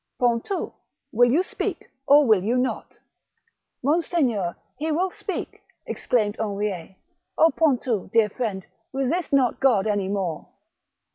Pontou ! will you speak or will you not ?"" Monseigneur, he will speak !" exclaimed Henriet. Oh, Pontou, dear friend, resist not God any more."